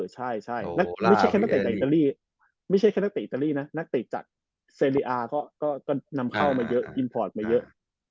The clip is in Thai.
ใช่ไม่ใช่แค่นักเตะอิตาลีนะนักเตะจากเซลีอาร์ก็นำเข้ามาเยอะอินพอร์ตมาเยอะ